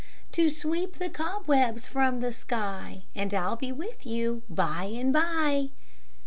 "To sweep the cobwebs from the sky; And I'll be with you by and by."